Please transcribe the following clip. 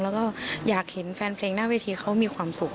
แล้วก็อยากเห็นแฟนเพลงหน้าเวทีเขามีความสุข